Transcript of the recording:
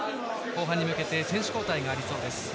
後半に向けて選手交代がありそうです。